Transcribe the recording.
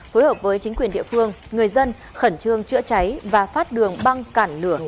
phối hợp với chính quyền địa phương người dân khẩn trương chữa cháy và phát đường băng cản lửa